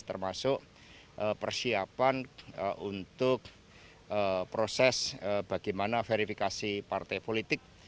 termasuk persiapan untuk proses bagaimana verifikasi partai politik